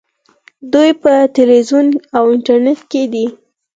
دوی په تلویزیون او انټرنیټ کې دي.